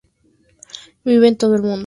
Viven en todo el mundo.